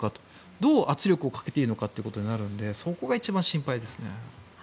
どう圧力をかけていいのかということになるのでそこが一番心配ですね。